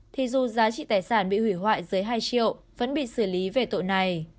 thì dù giá trị tài sản bị hủy hoại dưới hai triệu vẫn bị xử lý về tội này